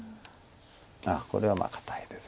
あっこれは堅いです。